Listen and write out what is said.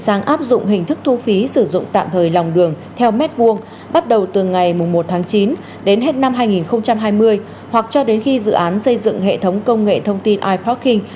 sử dụng tạm thời lòng đường theo mét vuông bắt đầu từ ngày một tháng chín đến hết năm hai nghìn hai mươi hoặc cho đến khi dự án xây dựng hệ thống công nghệ thông tin iparking